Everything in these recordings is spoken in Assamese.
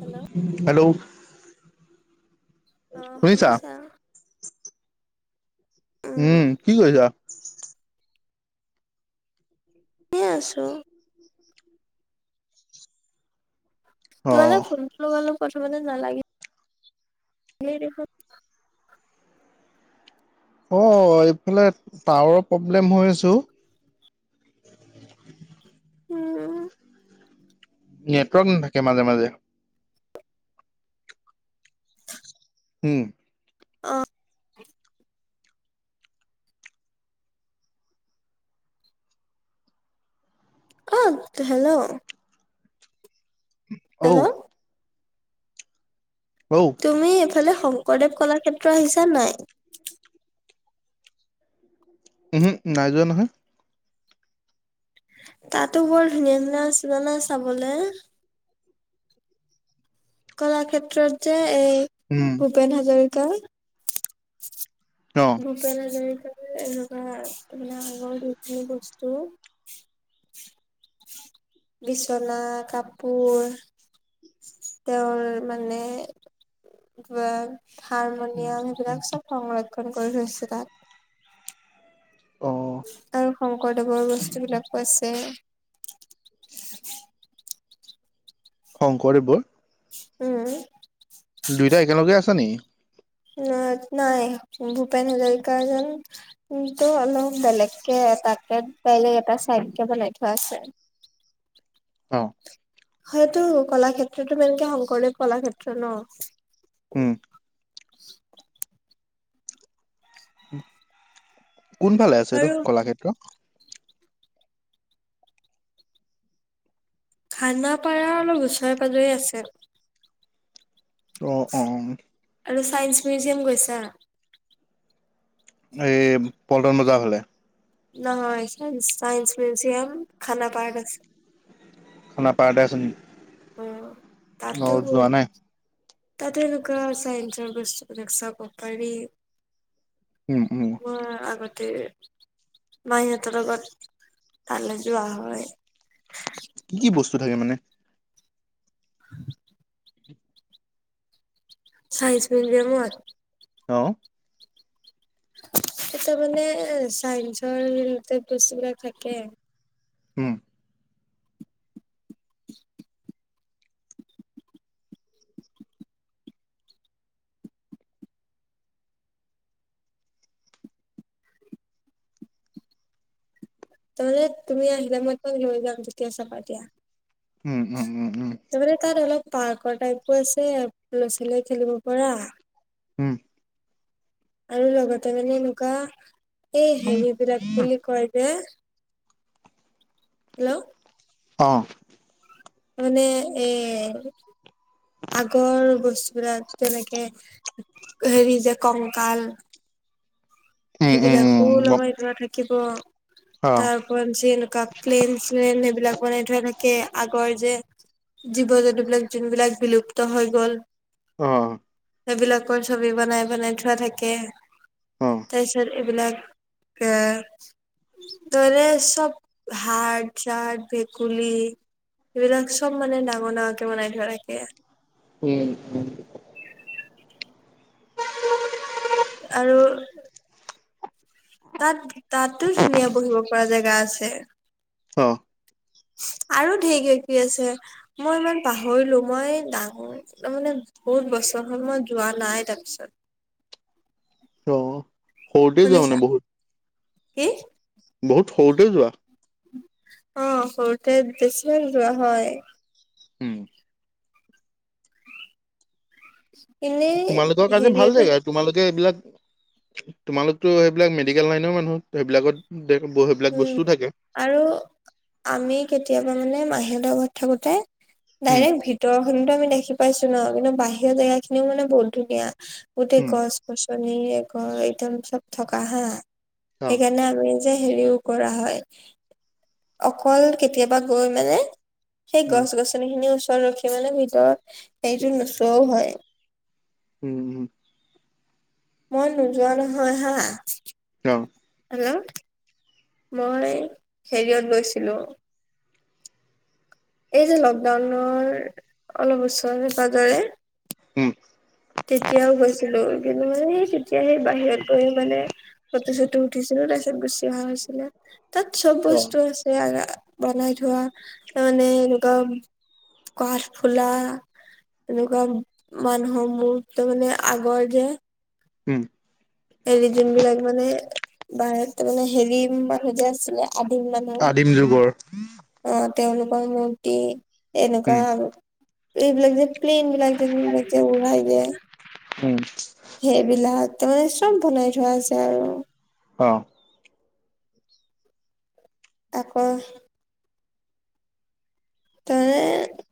হেল্ল'। হেল্ল'। অ, শুনিছা? উম, কি কৰিছা? এনেই আছো। তোমালে অ', ফোনটো লগালো প্ৰথমতে নালাগিল। হেৰি [unintelligible] অ, এইফালে টাৱাৰৰ প্ৰব্লেম হৈ আছে অ, উম, নেটৱৰ্ক নাথাকে মাজে মাজে। উম অঁ অ হেল্ল' উ [inaudible] হেল্ল' অউ তুমি এইফালে শংকৰদেৱ কলাক্ষেত্ৰ আহিছা নাই? উম হু নাই যোৱা নহয়। তাতো বৰ ধুনীয়া ধুনীয়া আছিল জানা চাবলৈ। কলাক্ষেত্ৰত যে এই উম, ভূপেন হাজৰিকা। অঁ ভূপেন হাজৰিকাৰ এনেকুৱা তাৰমানে আগৰ যিখিনি বস্তু। বিচনা কাপোৰ। তেওঁৰ মানে কিবা হাৰমনিয়াম সেইবিলাক চব সংৰক্ষ- ক্ষণ কৰি থৈছে তাত। অ', আৰু শংকৰদেৱৰ বস্তু বিলাকো আছে। শংকৰদেৱৰ। উম দুইটা একেলগে আছে নি? অ নাই ভূপেন হাজৰিকা যেন- কিন্তু অলপ বেলেগ কে তাকে বেলেগ এটা চাইড কে বনাই থোৱা আছে। অ হয়টো কলাক্ষেত্ৰতো একে শংকৰদেৱ কলাক্ষেত্ৰ ন। উম কোনফালে আছে টো আৰু কলাক্ষেত্ৰ। খানাপাৰা অলপ ওচৰে পাজৰে আছে। অ অঁ আৰু ছাইন্স মিউজিয়াম গৈছা। এই পল্টন বজাৰ ফালে। নহয় চাইন্স মিউজিয়াম খানাপাৰাত আছে। খানাপাৰতে আছে নি। অ তাতটো অ', যোৱা বহুত। নাই। তাতে এনেকুৱা চাইঞ্চৰ বস্তু বিলাক চাব পাৰি। উম উম ক আগতে- মাহীহঁতৰ লগত তালৈ যোৱা হয়। কি কি বস্তু থাকে মানে? উ [unintelligible] চাইঞ্জ মিউজিয়ামত। অঁ এটা মানে চাইন্সৰ ৰিলেটেড বস্তু বিলাক থাকে। উম তামানে তুমি আহিলে মতে মই লৈ যাম তেতিয়া চাবা দিয়া। উম উম উম উম। তাৰমানে তাত অলপ পাৰ্কৰ টাইপো আছে ল'ৰা ছোৱালীয়ে খেলিব পৰা। উম আৰু লগতে মানে এনেকুৱা এই উম, হেৰি বিলাক বুলি কয় যে। হেল্ল' অহঁ মানে এই- আগৰ বস্তু বিলাক তেনেকে হেৰি যে কংকাল। উম, উম, সেইবিলাকো উম, গম লগাই থোৱা থাকিব, অ'। তাৰ- তনছিল এনেকুৱা প্লেন চ্লেন এইবিলাক বনাই থৈ থাকে আগৰ যে - জীৱ জন্তুবিলাক যোনবিলাক বিলুপ্ত হৈ গল। অহঁ সেইবিলাকৰ ছবি বনাই বনাই থোৱা থাকে। অ'। তাৰ পিছত এইবিলাক কে- দৰে চব সাপ চাফ ভেকুলী- এইবিলাক চব মানে ডাঙৰ ডাঙৰকে বনাই থোৱা থাকে। উম উম। আৰু তাত তাতো ধুনীয়া বহিব পৰা জেগা আছে। অ', আৰু ঢেৰ কিবা কিবি আছে মই ইমান পাহৰিলোঁ মই ডাঙৰ। তাৰ মানে বহুত বছৰ হল মই যোৱা নাই তাৰপিছত। অহ শুনিছা কি? বহুত সৰুতে যোৱা। অহ সৰুতে বেছিমান যোৱা হয়। উম এনেই তোমালোকৰ কাৰণে ভাল হেৰিত- জেগা তোমালোকে এইবিলাক, তোমালোকতো সেইবিলাক মেডিকেল লাইনৰ মানুহ। ত সেইবিলাকত সেইবিলাক উম বস্তুও থাকে। আৰু আমি কেতিয়াবা মানে মাহী হেতৰ ঘৰত থাকোঁতে উম, ডাইৰেক্ট ভি- তৰ খিনিতো আমি দেখি পাইছো ন কিন্তু বাহিৰৰ জেগা খিনিও মানে বহুত ধুনীয়া গোটেই উম, গছ- গছনিৰে গৈ একদম চব থকা হাঁ। অ', সেইকাৰণে আমি যে হেৰিও- কৰা হয় অকল কেতিয়াবা গৈ মানে, সেই উম, গছ গছনি- গছনি খিনি ওচৰত ৰখি মা।।। নে ভিতৰত সেইটো নোচোৱাও হয় উম উম মই নোযোৱা নহয় হা। অ', হেল্ল' মই হেৰিয়ত গৈছিলোঁ। এই যে লকডাউনৰ অলপ ওচৰে পাজৰে- উম তেতিয়াও গৈছিলো কিন্তু মানে সেই তেতিয়া সেই বাহিৰত গৈ মানে ফটো চটো। উঠিছিলো তাৰপিছত গুচি অহা হৈছিলে, তাত চব অ', বস্তু আছে। বনাই থোৱা তাৰ মানে এনেকুৱা- কাঠফুলা এনেকুৱা মানুহৰ- মোৰ ত মানে আগৰ যে- উম হেৰি যোনবিলাক মানে বাৰ তাৰ মানে হেৰি মানুহ যে আছিলে। আদিম মানুহ, আদিম যুগৰ অ তেওঁলোকৰ মূৰ্তি- এনেকুৱা উম, আৰু এইবিলাক যে প্লেইন বিলাক [unintelligible] উলাই যে। উম, সেইবিলাকতে চব বনাই থোৱা আছে আৰু। অহঁ তাকে। তেওঁৱে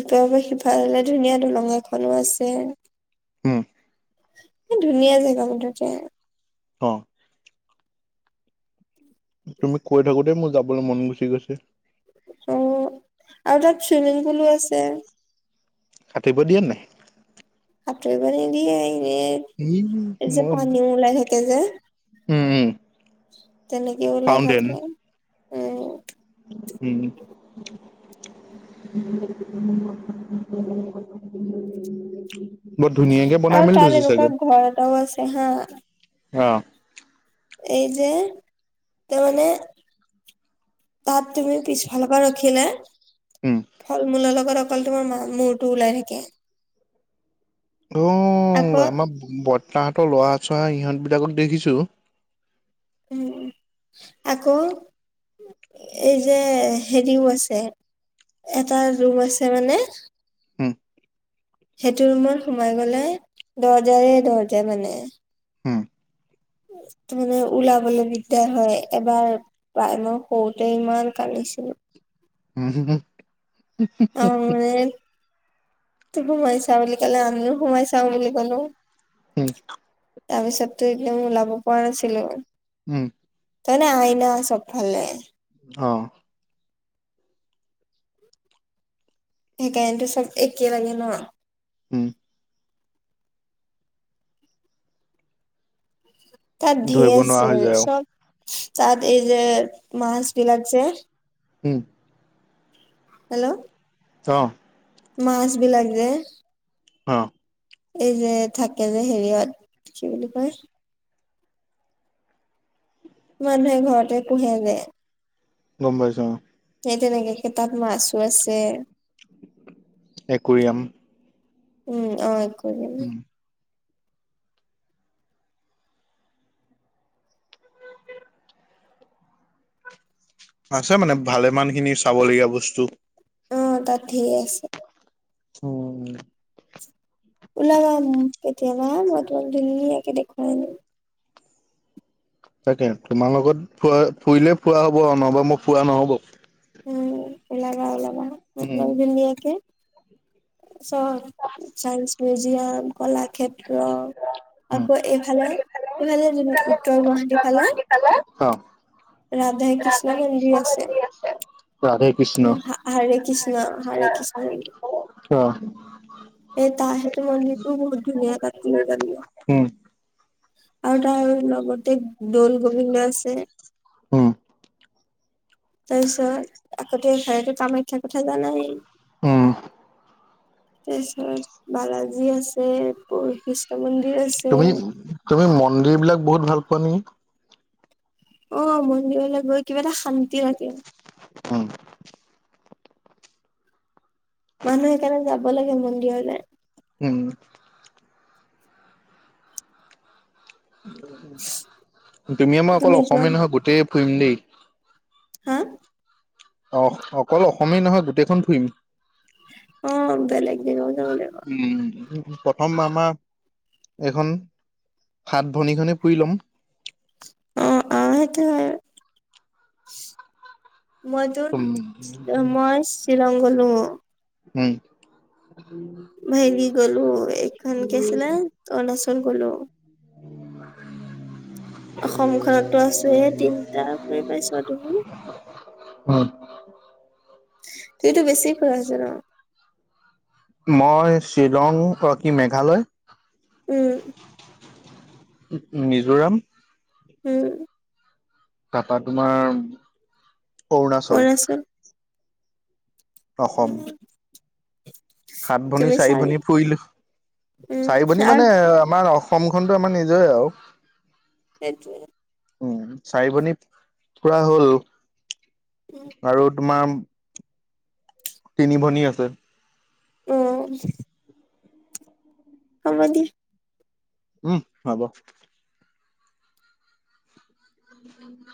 ইপাৰ পা সিফালেলে ধুনীয়া দলং এখনো আছে। উম, এ ধুনীয়া জেগা মুঠতে। অহ', তুমি কৈ থাকোঁতে মোৰ যাবলে মন গুচি গৈছে। অ, আৰু তাত চুইমিং পুলো আছে। সাঁতুৰিব দিয়ে নাই? সাঁতুৰিব নিদিয়ে ই এনে যে মই পানী ওলাই থাকে যে। উম- উম তেনেকে ওলাই ফাউণ্টেন থাকে। উম উম, [unintelligible] বহুত ধুনীয়াকে বনাই আৰু মেলি তাত থৈছে এনেকুৱা চাগে ঘৰ এটাও আছে হা অ। এই যে ত' মানে তাত তুমি পিছফাল পা ৰখিলে উম। ফল, মূলৰ লগত অকল তোমাৰ মা মূৰটো ওলাই থাকে। অ, আকৌ আমাৰ বৰ্তাহঁতৰ ল'ৰা চ'ৰা ইহঁত বিলাকক দেখিছো। উম, আকৌ এই যে হেৰিও আছে এটা ৰুম আছে মানে উম, সেইটো ৰুমত সোমাই গলে দৰ্জাৰে দৰ্জা মানে। উম, টো মানে ওলাবলে দিগদাৰ হয় এবাৰ বাই, মই সৰুতে ইমান কান্দিছিলোঁ। উ, হো- ‌হো [unintelligible] তে তুমি সোমাইছাঁ বুলি ক'লে আমিও সোমাই চাওঁ বুলি ক'লো। হম, তাৰ পিছততো এইফালে ওলাব পৰা নাছিলোঁ। উম, তাৰমানে আইনা চবফালে। অহ ', সেইকাৰনেটো চব একে মানে ন? উম, তাত ধৰিব ধেৰ নোৱাৰা আছে হৈ যায় আৰু। চব। তাত এই যে মাছ বিলাক যে উম, হেল্ল', অহ', মাছ বিলাক যে অহ', এই যে থাকে যে হেৰিয়ত কি বুলি কয় মানুহে ঘৰতে পোহে যে গম পাইছোঁ অ। সেই তেনেকাকে তাত মাছো আছে। একোৰিয়াম উম অ এক দ- উম, আছে মানে ভালেমান খিনি চাবলগীয়া বস্তু- অ‍ঁ, তাত ধে‌ই আছে। উম, ওলাবা উম কেতিয়াবা মই তোমাক ধুনীয়াকে দেখুৱাই দিম। তাকে তোমাৰ লগত ফুৱা ফুৰিলে ফুৱা হব নহবা মোক ফুৰা নহ'ব। উম, উলাবা -উলাবা উম, [unintelligible] চফ চাইন্স মিউজিয়াম, কলা ক্ষেত্ৰ উম, আকৌ এইফালে এইফালে উত্তৰ গুৱাহাটীফালে- অ', ৰাধে, কৃষ্ণ, মন্দিৰ, আছে। [inaudible] ন হৰে কৃষ্ণ, হৰে কৃষ্ণ। অ', এই তা মন্দিৰটো বহুত ধুনীয়া তাত লৈ যাম। উম, আৰু তাৰ লগতে দৌল-গোবিন্দ আছে। উম, তাৰপিছত আগতে ঘৰতে কামাখ্যাৰ কথা জানাই। উম, তাৰপিছত বালাজী আছে, প কৃষ্ণ মন্দিৰ আছে। তুমি-তুমি মন্দিৰ বিলাক বহুত ভাল পোৱা নি? অ, মন্দিৰলৈ গৈ কিবা এটা শান্তি থাকে। উম, মানুহ সেইকাৰণে যাব লাগে মন্দিৰলে। উম, তুমি মই অকল অসমীয়া নহয় গোটেই ফুৰিম দেই। হা অ, অকল অসমেই নহয় গোটেইখন ফুৰিম। অ‌ঁ, বেলেগ [unintelligible] উম, প্ৰথম আমাৰ এইখন সাত ভনী খনে ফুৰি লম। অ, আহ, সেইটো আৰু। মইটো উম। মই শ্বিলং গলো। হেৰি গলো এইখন কি আছিলে উম, অৰুণাচল গ'লো। অ [unintelligible] অসমখনতো আছো তিনটা ফুৰি পাইছো আৰু। তুমি? উম, এইটো বেছি ফুৰা আছে ন। মই শ্বিলং কি মেঘালয়। উম, উম, মিজোৰাম, উম, তাৰপা তোমাৰ অৰুণাচল অসম তুমি সাত ভনী চাৰি ভনী ফুৰিলো, উম চাৰি ভনী আৰু মানে আমাৰ অসমখনতো আমাৰ নিজৰে আৰু। সেইটোৱে। উম, চাৰিভনী পুৰা হল উম আৰু তোমাৰ তিনি ভনী আছে। উম। হ'ব দে। উম হব। [inaudible]